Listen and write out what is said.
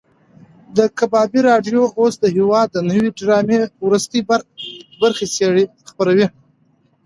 د کبابي راډیو اوس د هېواد د نوې ډرامې وروستۍ برخه خپروي.